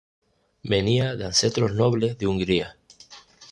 Venía de ancestros nobles de Hungría.